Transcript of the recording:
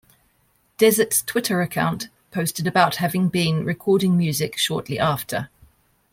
Desert's Twitter account posted about having been recording music shortly after.